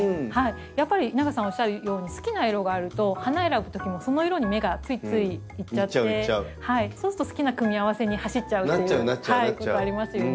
やっぱり稲垣さんおっしゃるように好きな色があると花選ぶときもその色に目がついつい行っちゃってそうすると好きな組み合わせに走っちゃうっていうことありますよね。